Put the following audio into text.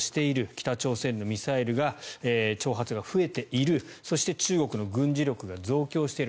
北朝鮮のミサイル挑発が増えているそして中国の軍事力が増強している。